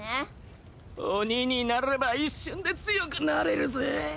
鬼になれば一瞬で強くなれるぜ。